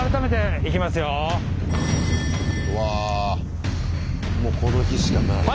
わあもうこの日しかない。